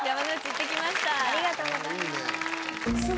ありがとうございます。